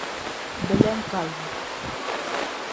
Belén Calvo.